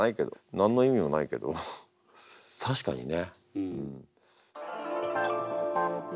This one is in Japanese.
何の意味もないけどたしかにね。